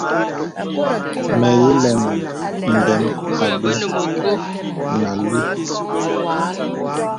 Mə ilɛmaŋ ndə̀m àbə̀ nə alúú.